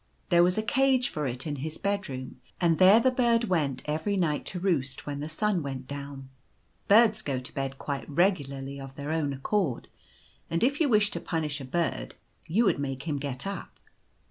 There was a cage for it in his bedroom, and there the bird went every night to roost when the sun went down. Birds go to bed quite regularly of their own accord; and if you wished to punish a bird you would make him get up.